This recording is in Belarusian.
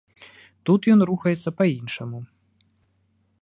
Тут ён рухаецца па іншаму.